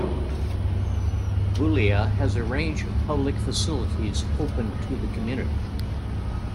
Boulia has a range of public facilities open to the community.